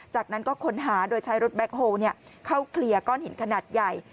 จากนั้นก็ค้นหาโดยใช้รถแบ็คโฮลเข้าเคลียร์ก้อนหินขนาดใหญ่